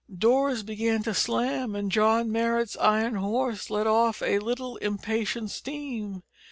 Doors began to slam, and John Marrot's iron horse let off a little impatient steam.